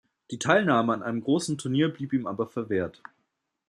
Die Teilnahme an einem großen Turnier blieb ihm aber verwehrt.